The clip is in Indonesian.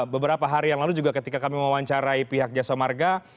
beberapa hari yang lalu juga ketika kami mewawancarai pihak jasa marga